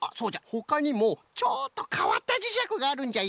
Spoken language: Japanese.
ほかにもちょっとかわったじしゃくがあるんじゃよ。